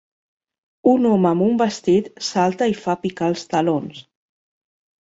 Un home amb un vestit salta i fa picar els talons.